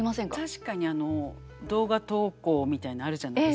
確かに動画投稿みたいなのあるじゃないですか。